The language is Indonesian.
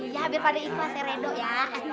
iya biar pada itu lah saya redo ya